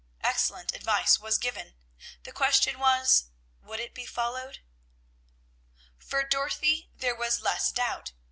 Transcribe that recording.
Excellent advice was given; the question was, Would it be followed? For Dorothy there was less doubt.